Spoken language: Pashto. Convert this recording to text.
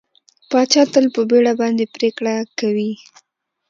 پاچا تل په بېړه باندې پرېکړه کوي کوي.